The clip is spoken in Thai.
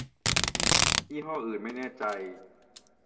ยี่ห้ออื่นไม่แน่ใจ